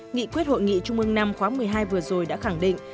nghị quyết hội nghị trung ương năm khoá một mươi hai vừa rồi đã khẳng định